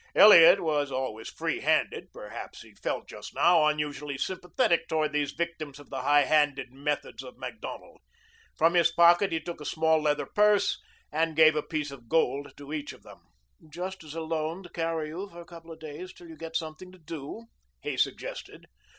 Elliot was always free handed. Perhaps he felt just now unusually sympathetic towards these victims of the high handed methods of Macdonald. From his pocket he took a small leather purse and gave a piece of gold to each of them. "Just as a loan to carry you for a couple of days till you get something to do," he suggested.